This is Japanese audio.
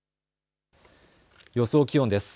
予想気温です。